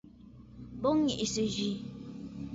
Bo ŋì’ìsǝ̀ yi.